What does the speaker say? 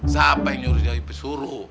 siapa yang nyuruh jadi pesuru